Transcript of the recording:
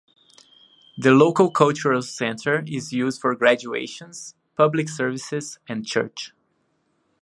The local cultural center is used for graduations, public services, and church.